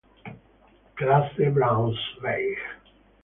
Classe Braunschweig